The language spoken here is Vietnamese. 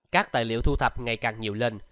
các tài liệu thu thập ngày càng nhiều lên